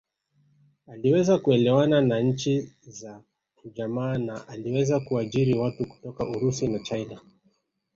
Aliweza kuelewana na nchi za ujamaa na aliweza kuajiri watu kutoka Urusi na China